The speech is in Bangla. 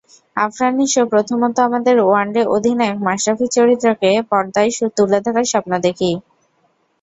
আফরান নিশোপ্রথমত, আমাদের ওয়ানডে অধিনায়ক মাশরাফির চরিত্রকে পর্দায় তুলে ধরার স্বপ্ন দেখি।